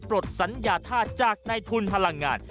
ปลดสัญญาธาตุจากในทุนพลังงาน